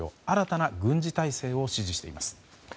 新たな軍事態勢を指示しています。